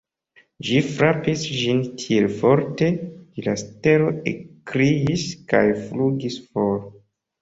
Ĝi frapis ĝin tiel forte, ke la stelo ekkriis kaj flugis for.